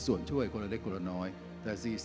เพราะฉะนั้นเราทำกันเนี่ย